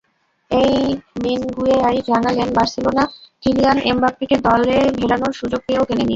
এই মিনগুয়েয়াই জানালেন, Barcelona Kylian এমবাপ্পেকে দলে ভেড়ানোর সুযোগ পেয়েও কেনেনি।